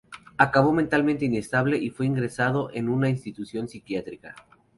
Acabó mentalmente inestable y fue ingresado en una institución psiquiátrica.